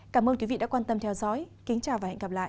cảm ơn quý vị đã quan tâm theo dõi kính chào và hẹn gặp lại